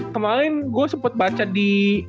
kemaren gue sempet baca di